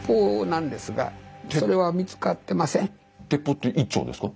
鉄砲って１丁ですか？